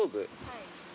はい。